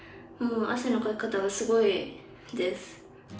汗のかき方がすごいです。